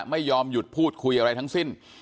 ไม่ยอมหยุดพูดคุยอะไรทั้งสิ้น